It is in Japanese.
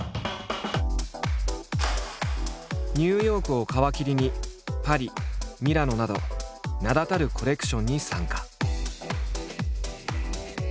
ニューヨークを皮切りにパリミラノなど名だたるコレクションに参加。